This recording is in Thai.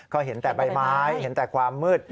ก็เห็นแต่ใบไม้เห็นแต่ความมืด